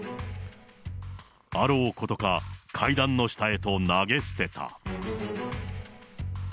あろうことか、階段の下へと投げ捨てた。